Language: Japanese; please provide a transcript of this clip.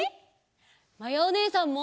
まやおねえさんも！